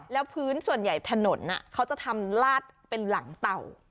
แล้วพื้นส่วนใหญ่ถนนเขาจะทำลาดเป็นหลังเต่า